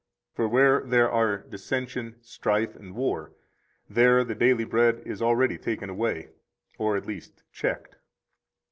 For where there are dissension, strife, and war, there the daily bread is already taken away, or at least checked.